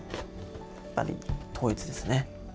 やっぱり統一ですね。